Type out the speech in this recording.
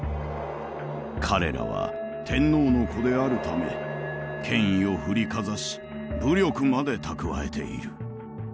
彼らは天皇の子であるため権威を振りかざし武力まで蓄えている。